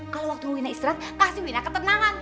kalau waktu wina istirahat kasih wina ketenangan